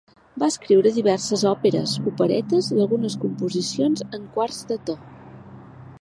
Va escriure diverses òperes, operetes i algunes composicions en quarts de to.